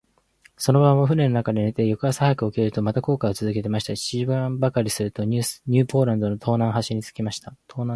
その晩は舟の中で寝て、翌朝早く起きると、また航海をつづけました。七時間ばかりすると、ニューポランドの東南端に着きました。